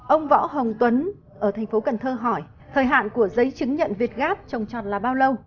ông võ hồng tuấn ở thành phố cần thơ hỏi thời hạn của giấy chứng nhận việt gáp trồng tròn là bao lâu